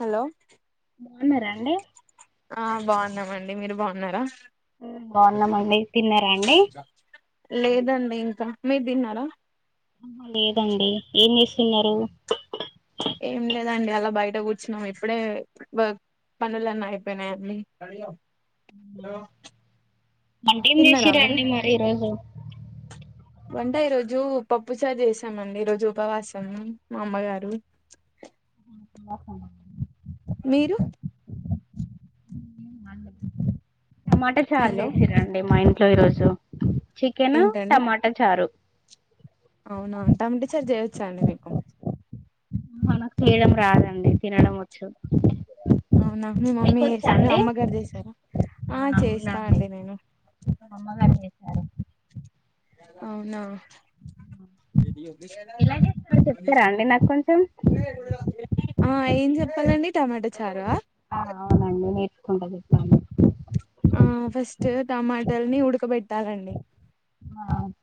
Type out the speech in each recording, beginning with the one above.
Hello బాగున్నారండి. ఆహ్ బాగున్నామండి మీరు బాగున్నారా. బాగున్నామండి తిన్నారా అండి లేదండింకా. మీర్దిన్నారా. ఆహు లేదండి ఏం జేస్తున్నారు. ఏం లేదండి అలా బయట గూర్చున్నాం ఇప్పుడే. పనులన్నైపోయ్నాయండి. వంటేం చేసింరండి మరి ఈరోజు. వంట ఈరోజు పప్పు చారు చేసామండి ఈరోజు ఉపవాసం మా అమ్మగారు. [unintelligible] మీరు. టమాటా చారు హలో జేసింరండి మా ఇంట్లో ఈరోజు. చికెను టమాటా చారు. అవ్నా టమాట చారు జేయొచ్చాండి మీకు. మనకు చేయడం రాదండి తినడమోచ్చు. అవ్నా మీ మమ్మీ మీ అమ్మగారు చేసారా? అ చెస్తానండి నేను. మమ్మగారిని అవ్నా ఎలా చేస్తారో చెప్తారా అండి నాకు కొంచెం ఆ ఏం జెప్పాలండి టమాటా చారా నేను కూడా. ఆ తాగండి. ఆహ్.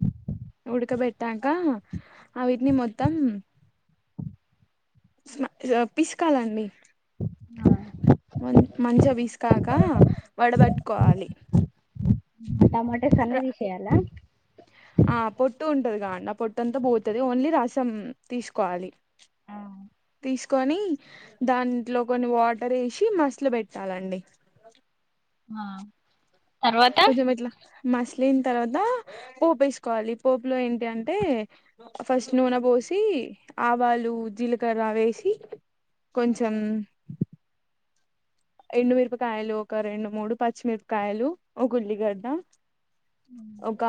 ఉడకబెట్టాక ఆవీటిని మొత్తం. స్ల పిసుకాలండి. ఆ మంచిగా పిసికాక వడబట్టుకోవాలి టమాటాస్ ర అన్ని తీసేయాలా ఆ పొట్టు ఉంటదు కాండి పొట్టంత పోతది ఓన్లీ రసం తీసుకోవాలి. ఆ తీసుకొని దాంట్లో కొన్ని వాటర్ ఏసి మసల పెట్టాలండి. ఆ తర్వాత కొంచెం ఇట్ల మసిలిన తర్వాత పోపు వేసుకోవాలి. పోపులో ఏంటి అంటే ఫస్ట్ నూనె పో సి ఆవాలు, జీలకర్ర వేసి కొంచెం ఎండుమిరపకాయలు ఒక రెండు మూడు, పచ్చిమిరపకాయలు, ఒక ఉల్లిగడ్డ ఆ ఒక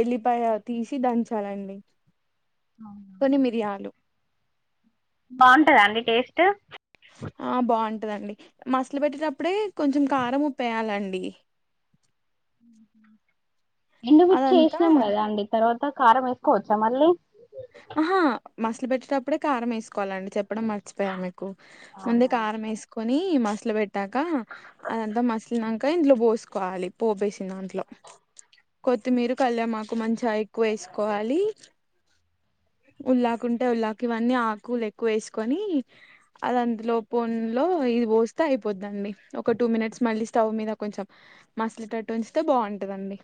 ఎల్లిపాయ తీసి దంచాలండి. అవునా కొన్ని మిరియాలు బావుంటదా అండి టేస్ట్? ఆ బాన్ దండి మసలు పెట్టిటప్పుడే కొంచెం కారం, ఉప్పేయాలండి. ఎండుమిర్చి అదంతా ఏసినం కదా అండి తర్వాత కారం వేసుకోవచ్చా మళ్ళీ? ఆహా మసల పెట్టేటప్పుడే కారం ఏసుకోవాలండి చెప్పడం మర్చిపోయా మీ కు ముందే అవునా కారం ఏసుకొని ఇ మసలబెట్టాక అదంతా మసిలినంక ఇందులో పోసుకోవాలి. పోపేసిన దాంట్లో కొత్తిమీర, కళ్యామాకు మంచిగా ఎక్కువ వేసుకోవాలి. ఉల్లాకుంటే ఉల్లాకు ఇవన్నీ ఆకులు ఎక్కువ వేసుకొని అదంతలోపోనిలె ఇది పోస్తే అయిపోందండి ఒక టూ మినిట్స్ మళ్ళీ స్టవ్ మీద కొంచెం మసలుటట్టు ఉంచితే బావుంటది. రండి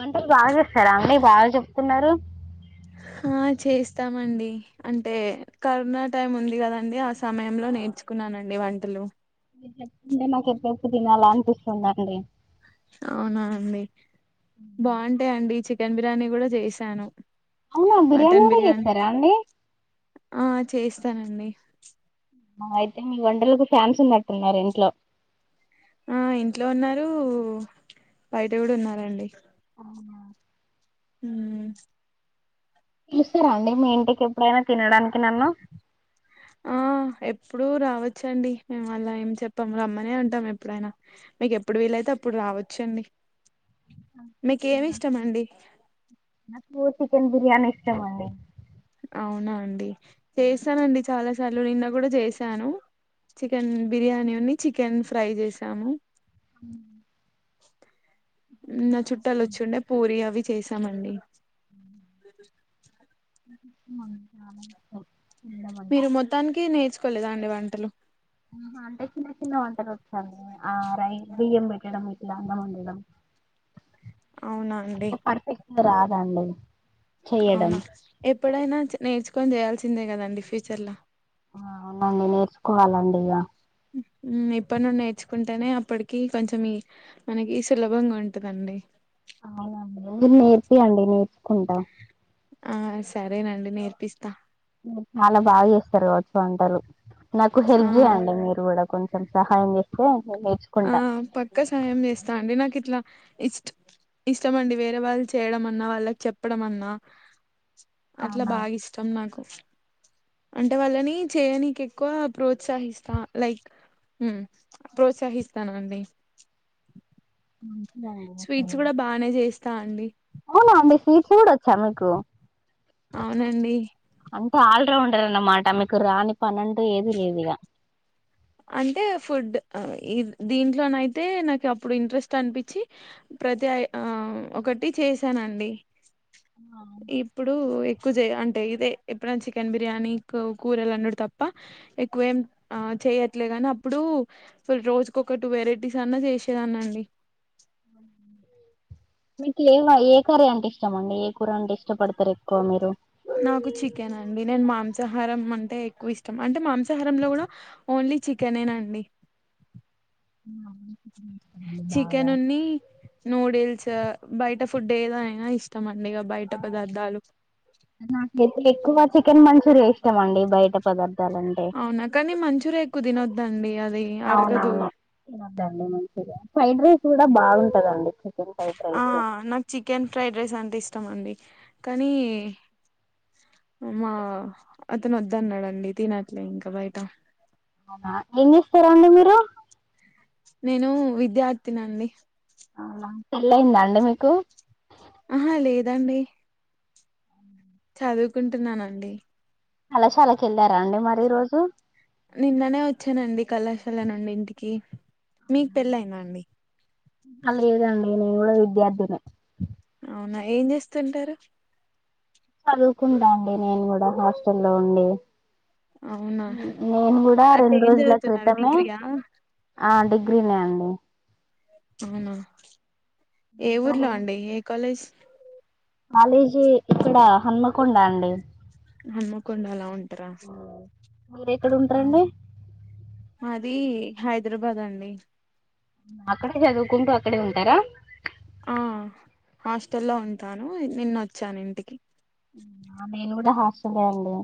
వంటలు బాగ చేస్తారా అండి? బాగా చెప్తున్నారు. ఆ చేస్తామండి అంటే కరోనా టైం ఉంది కదండి అస సమయంలో నేర్చుకున్నానండి వంటలు. చెపుతుంటే నాకు ఎప్పు ఎప్పుడు తినాల అనిపిస్తుందండి. అవునా అండి బావుంటాయండి చికెన్ బిర్యానీ కూడా చేసాను. అవునా మటన్ కూడా బిర్యానీ చేస్తారా అండి ఆ చేస్తానండి. మహ అయితే మీ వంటలకు ఫ్యాన్స్ ఉన్నట్టున్నారు ఇంట్లో. ఆ ఇంట్లో ఉన్నారు బయట కూడా ఉన్నారండి. ఉమ్ పిలుస్తరా అండి మీ ఇంటికి ఎప్పుడైనా తినడాని ఆ ఏ ఇప్పుడు రావచ్చండి. మేము అలా ఏం చెప్పాం రమ్మనే అంటాం ఎప్పుడైనా మీకు ఎప్పుడు వీలైతే అప్పుడు రా రావచ్చండి మీకేమి ఇష్టమండి? నాకు చికెన్ బిర్యానీ ఇష్టమండి. అవునా అండి చేసనండి చాలాసా అసలు నిన్న కూడా చేసాను. చికెన్ బిర్యానీ, ఉన్ని చికెన్ ఫ్రై చేశాను. అహ నిన్న చుట్టాలు వచ్చుండే పూరి అవి చేసామండి అహ ఓ మీరు మొత్తానికి నేర్చుకోలేదాండి వంటలు ఆ అంటే చిన్న చిన్న వంటలు వచ్చాయి ఆ రై బియ్యం పెట్టడం. లంగా వోణిలా అవునండి రాదండి చేయడం అవునా ఎప్పుడైనా నేర్చుకొని చేయాల్సిందే కదండి ఫ్యూచర్ లో అవునండి నేర్చుకోవాలండి ఇగ ఉ ఇప్పటి నుండి నేర్చుకుంటేనే అప్పటికి కొంచెం ఈ మనకి సులభంగా ఉంటందండి అవునండి మీరు నేరిపియంది నేర్చుకుంట ఆ సరేనండి నేర్పిస్తా మీరు చాలా బాగా చేస్తారు కావచ్చు వంటలు నాకు ఆ హెల్ప్ చేయండి మీరు కూడా కొం చం సహాయం చేస్తే నేను ఆ నేర్చుకుంటా పక్క సాయం చేస్తా అండి నాకు ఇట్లా ఇష్ట ఇష్టమండి వేరే వాళ్ళు చేయడం అన్నా వాళ్ళకి చెప్పడం అన్నా అట్లా అవునా బాగా ఇష్టం నాకు అంటే వాళ్ళని చేయనీకి ఎక్కువ ప్రోత్సహిస్తా లైక్ ఉ ప్రోత్సహిస్తానండి మంచిదండి స్వీట్స్ అసలు కూడా బానే చేస్తా అండి అమీ స్వీట్స్ కూడా వచ్చా మీకు అవునండి అంటే ఆల్రౌండర్ అన్నమాట మీకు రాని పనంటూ ఏది లేదు ఇగ అంటే ఫుడ్ దీంట్లోన అయితే నాకు అప్పుడు ఇంట్రెస్ట్ అనిపించి ప్రత్య ఆ ఒకటి చేశానండి ఇప్పుడు ఎక్కువ చేయ అంటే ఇదే ఎప్పుడన్న చికెన్ బిర్యానీ కూరలందుడు తప్ప ఎక్కువ ఏం ఆ చేయ్య ట్లే కని అప్పుడు రోజుకు ఒక టూ వెరైటీస్ అన్నా చేసేదాన్ని అండి మీకు ఏం ఏ కర్రీ అంటే ఇష్టమండి ఏ కూర అంటే ఇష్టపడతారు ఎక్కువ మీరు నాకు చికెన్ అండి నేను మాంసాహారం అంటే ఎక్కువ ఇష్టం అంటే మాంసాహారంలో కూడా ఓ ఓన్లీ చికెనేనా అండి బాగా చికెన్ ఉన్ని నూడిల్స్ బయట ఫుడ్ ఏదయినా ఇష్టం అండి ఇక బయట పదార్థాలు నాకైతే ఎక్కువ చికెన్ మంచూరియా ఇష్టం అండి బయట పదార్థం అవునా కానీ మంచురియా ఎక్కువ తినొద్దండి అది అరగదు అవునవునుద్దండి మంచిగా ఫ్రైడ్ రైస్ కూడా బాగుంటదండి చికెన్ ఫ్రైడ్ ఆ రైస్ నాకు చికెన్ ఫ్రైడ్ రైస్ అంటే ఇష్టం అండి కానీ మా అతను వద్ద అన్నాడండి తినట్లే ఇంకా బయట అవునా ఏం చేస్తారాండి మీరు నేను విద్యార్థినండి అవునా పెళ్లి అయింద అండి మీకు ఆహా లేదండి చదువుకుంటున్నానండి కళాశాలకీ వెళ్ళారా అండి మరి ఈ రోజు నిన్ననే వచ్చానండి కళాశాల నుండి ఇంటికి మీకు పెళ్ళి అయిందా అండి ఆ లేద్ అండి నేన్ కూడా విద్యార్థినే అవునా ఏం చేస్తుంటారు చదుకుంట అండి నేను కూడా హాస్టల్లో ఉండి అవునా నేను కూడా అంటే రెండు ఏం రోజుల చదువుతున్నారు క్రితమే డిగ్రీయా అండి గ్రీ నే అండి అవునా ఏ ఊర్లో అండి ఏ కాలేజ్ కాలేజీ ఇక్కడా హన్మకొండ అండి హనుమకొండ లో ఉంటారా మీరెక్కడ ఉంటరండి అది హైదరాబాద్ అండి అక్కడే చదువుకుంటూ అక్కడే ఉంటారా ఆ హాస్టల్లో ఉంటాను నిన్నొచ్చానింటికి నేను కూడా హాస్టలే అండి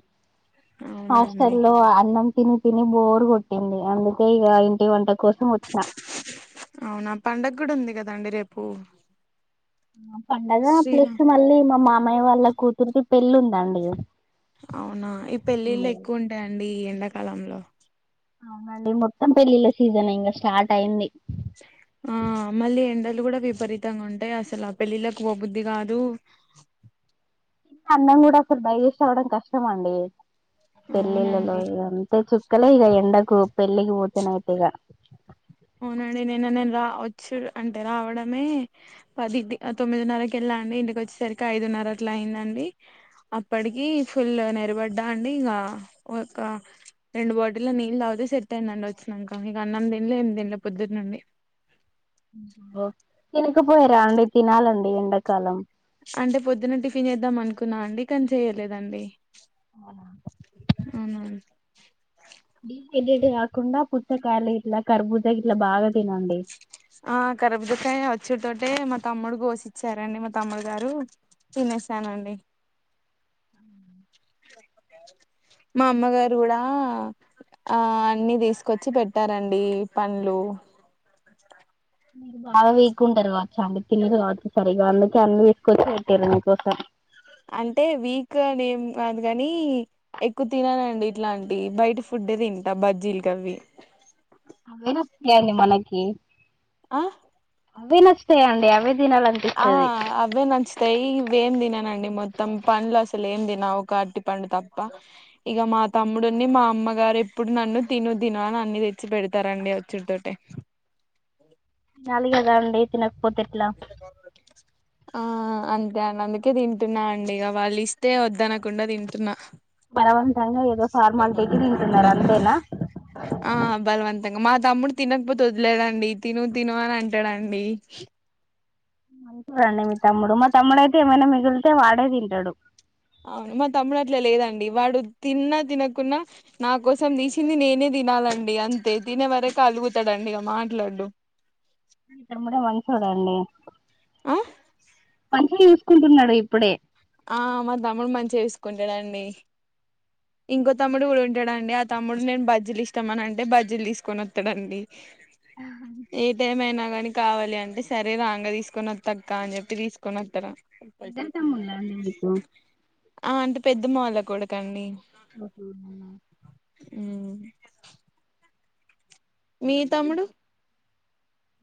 అవునా అండి హాస్టలో అన్నం తిని తిని బోర్ కొట్టింది అందుకే ఇగ ఇంటి వంట కోసం వచ్చిన కుడి ఉంది కదండీ రేపు పండగా ప్లస్ శ్రీరామ్ మళ్ళీ మా మామయ్య వాళ్ళ కూతుర్ది పెళ్ళుందండి అవునా ఈ పెళ్లిళ్లు ఎక్కువ ఉంటాయండి ఈ ఎండాకాలంలో అవునండి మొత్తం పెళ్ళిళ్ళ సీజనే ఇంగ స్టార్ట్ అయింది ఆ మళ్ళీ ఎండలు కూడా విపరీతంగుంటయ్ అసలు ఆ పెళ్ళిలకు పోబుద్ది కాదు అన్నం గూడప్పుడు డైజెస్ట్ అవ్వడం కష్టమండి పెళ్లిళ్లలో అవునండి ఇ అంతే చుక్కలే ఇగ ఎండకు పెళ్ళికిపోతేనైతే ఇగ అవునండి నిన్న నేన్ రా వచ్చు అంటే రావడమే పది తొమ్మిదిన్నరకెళ్ళాండి ఇంటికి వచ్చేసరికి ఐదు న్నర అట్లాయిందండి అప్పటికి ఫుల్ నిరబడ్డా అండి ఇంగా ఒక రెండు బాటిల్లో నీళ్ళ తాగుతే సెటయ్యింది అండి వచ్చినంక ఇగ అన్నం తిన్లే ఏమ్ తిన్ ఇగ పొద్దున్నుండి తినకపోయారాండి తినాలండి ఎండకాలం అంటే పొద్దున టిఫిన్ చేద్దాం అనుకున్నా అండి కానీ చేయలేదండి అవునా డిహైడ్రేట్ కాకుండా పుచ్చకాయలు ఇట్లా కర్బూజాగిట్లా బాగా తినండి ఆ కార్బుజకాయ వచ్చుడుతోటే మా తమ్ముడు కోసిచ్చారండి మా తమ్ముడు గారు తినేసాండి మా అమ్మగారు కుడా ఆ అన్ని తీసుకొచ్చి పెట్టారండి పండ్లు మీరు బాగా వీకుంటారు కావచ్చు అన్ని తినరు కావచ్చు సరిగ్గా అందుకే అన్ని తీసుకొచ్చి పెట్టిర్రు మీకోసం అంటే వీక్ గానెం కాదు కాని ఎక్కువ తిననండి ఇట్లాంటివి బయట ఫుడ్ డ్డే తింట బాజీల్గావి అవే నచ్చుతాయి అండి మనకి ఆహ్ అవే నచ్చుతాయండీ అవే ఆ తినాలనిపిస్తది అవే నచ్చతాయి ఇవేం తిననండి మొత్తం పండ్లు అస్సలు ఏం తిన్ ఒక అరటిపండు తప్ప ఇక మా తమ్ముడున్నీ మా అమ్మగారు ఎప్పుడు నన్ను తిను తిను అన్ని తెచ్చి పెడతారండి వచ్చుడితోటె తినాలిగదండి తినకపోతేట్లా ఆ అంతే అండి అందుకే తింటున్నా అండి ఇక వాళ్ళు ఇస్తే వద్దనకుండా తింటున్నా బలవంతంగా ఏదో ఫార్మాలిటీకి తింటున్నారు అంతేనా ఆ బలవంతంగా మాత్ తమ్ముడు తినకపోతే వదిలేయడండి తిను తిను అని అంటాడండి మంచోడండి మీ తమ్ముడు మా తమ్ముడైతే ఏమైనా మిగిలితే వాడే తింటడు అవున్ మా తమ్ముడట్ల లేదండి వాడు తిన్నా తినకున్నా నా కోసం తీసింది నేనే తినాలండి అంతే తినే వరకు అలుగుతడండి ఇగ మాట్లాడడు మీ తమ్ముడే మంచోడండి ఆ మంచిగ చూసుకుంటున్నాడిప్పుడే ఆ మా తమ్ముడు మంచిగా చూసుకుంటాడు అండి ఇంకో తమ్ముడు కూడా ఉంటాడండి ఆ తమ్ముడు నేన్ బజ్జీలు ఇష్టమని అంటే బజ్జీలు దిసుకొని వస్తాడండి హ్ ఏ టీం అయిన కానీ కావాలి అంటే సరే రాగా తీసుకుని ఓత్తక్క అని జేప్పి తీసుకుని వస్తాడు ఇద్దరు తమ్ముళ్ళా అండి మీకు ఆ పెద్దమ్మ వాళ్ల కొడుకు అండి అహ ఔన మ్ మీ తమ్ముడు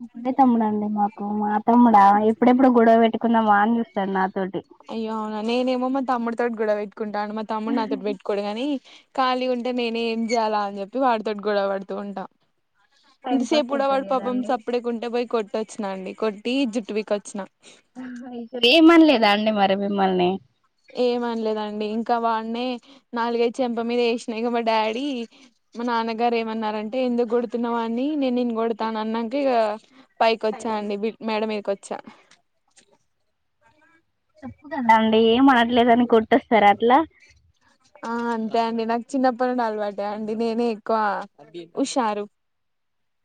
ఒకడే తమ్ముడండి మాకు మ తమ్ముడా ఎప్పుడెప్పుడు గొడవ వెత్తుకుందామా అని చూస్తాడు నాతోటి తోట్ గొడవ వెట్టుకుంటాండు మా తమ్ముడు నాతోటి పెట్టుకోడు గాని కాలిగుంటే నేనే ఏం జేయాలా అని జేప్పి వాడితోట్ గొడవ పడుతూ ఉంటా టైం ఇంతసేపు పాస్ గూడా అయితది వాడు పాపం కదండి సప్పుడ్డేడ్కుంటే పోయి కొట్టొచ్చినా అండి కొట్టి జుట్టుపికొచ్చినా ఏమనలేదా అండి మరి మిమ్మల్ని ఏమనలేదండి ఇంక వాడ్నే నాలుగైదు చెంప మీదేశిన ఇగ మా డాడీ మా నాన్నగారు ఏమన్నారంటే ఎందుక్ గొడుతున్నావ్ వాన్ని నేన్ నిన్ను గోడ్తా అని అన్నాక ఇగ పైకోచ్చా అండి బి మేడ మీదికోచ్చా తప్పు గదా అండి ఏం అనట్లేదని కొట్టేస్తారా అట్లా ఆ అంతే అండి నక్ చిన్నప్పటి నుండీ అలవాటే అండి నేనే ఎక్కువ హుషారు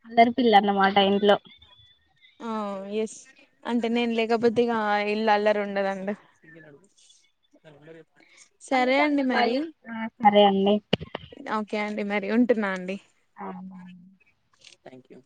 అల్లరి పిల్ల అన్నమాట ఇంట్లో అ ఎస్ అంటే నేను లేకపోతే ఇగా ఇల్లు అల్లరి ఉండదండి సరే అండి మరి ఆ సరే అండి ఒకే అండి మర్ రి ఉంటున్నా అండి ఆ బాయ్ థ్యాంక్ యూ